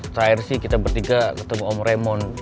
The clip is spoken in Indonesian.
terakhir sih kita bertiga ketemu om remon